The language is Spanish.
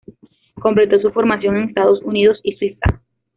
Completó su formación en Estados Unidos y Suiza.